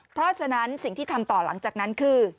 เพราะฉะนั้นสิ่งที่ทำต่อหลังจากนั้นคือ